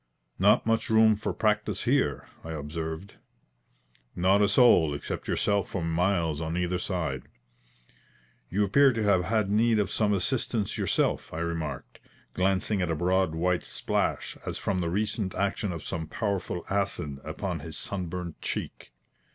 "Not much room for practice here?" I observed. "Not a soul except yourself for miles on either side." "You appear to have had need of some assistance yourself," I remarked, glancing at a broad white splash, as from the recent action of some powerful acid, upon his sunburnt cheek.